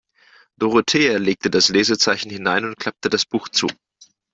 Dorothea legte das Lesezeichen hinein und klappte das Buch zu.